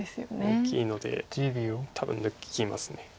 大きいので多分抜きます。